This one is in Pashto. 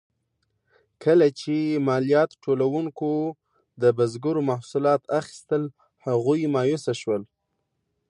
کله چې مالیات ټولونکو د بزګرو محصولات اخیستل، هغوی مایوسه شول.